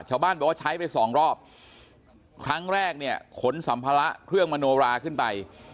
ชาวบ้านบอกว่าใช้ไปสองรอบครั้งแรกเนี่ยขนสัมภาระเครื่องมโนราขึ้นไป